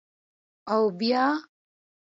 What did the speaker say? _اوبيا؟